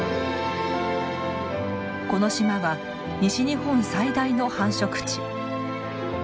この島は西日本最大の繁殖地。